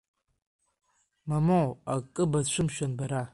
Мамоу, акы бацәымшәан бара!